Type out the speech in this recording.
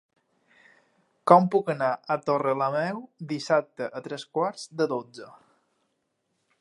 Com puc anar a Torrelameu dissabte a tres quarts de dotze?